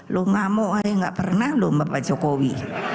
lo ngamuk aja gak pernah lo bapak jokowi